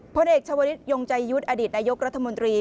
พลเอกชาวลิศยงใจยุทธ์อดีตนายกรัฐมนตรี